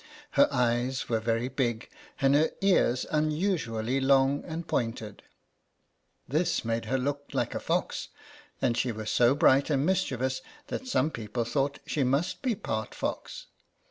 Her eyes were very big, and her ears unusually long and pointed. This made her look like a fox ; and she was so bright and mischievous that some people INTRODUCTION. II thought she must be part fox.